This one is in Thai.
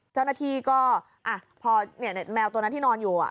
เจ้าหน้าที่ก็พอแมวตัวนั้นที่นอนอยู่